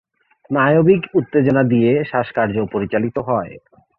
স্নায়বিক উত্তেজনা দিয়ে শ্বাসকার্য পরিচালিত হয়।